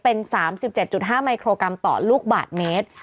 เป็น๓๗๕มิโครกรัมต่อลูกบาทเมตร